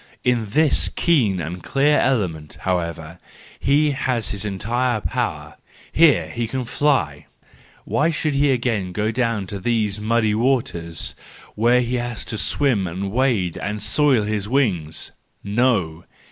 In this keen and clear element, however, he has his entire power: here he can fly ! Why should he again go down into those muddy waters where he has to swim and wade and soil his wings!—No!